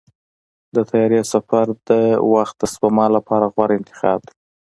د طیارې سفر د وخت د سپما لپاره غوره انتخاب دی.